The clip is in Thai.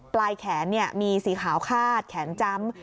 ปลายแขนเนี่ยมีสีขาวคาดแขนจ้ำ